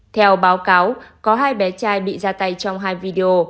theo báo cáo có hai bé trai bị ra tay trong hai video